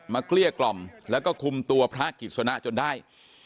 เกลี้ยกล่อมแล้วก็คุมตัวพระกิจสนะจนได้